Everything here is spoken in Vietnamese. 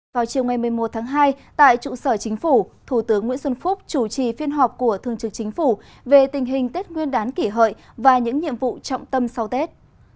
vào chiều ngày một mươi một tháng hai tại trụ sở chính phủ thủ tướng nguyễn xuân phúc chủ trì phiên họp của thương trực chính phủ về tình hình tết nguyên đán kỷ hợi và những nhiệm vụ trọng tâm sau tết